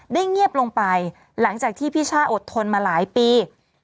เงียบลงไปหลังจากที่พี่ช่าอดทนมาหลายปี